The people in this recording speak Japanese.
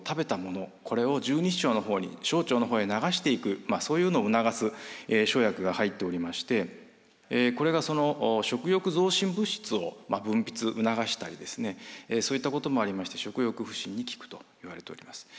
これを十二指腸のほうに小腸のほうへ流していくそういうのを促す生薬が入っておりましてこれが食欲増進物質を分泌促したりそういったこともありまして食欲不振に効くといわれております。